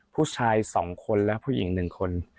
ผู้ชาย๒คนและผู้หญิง๑คน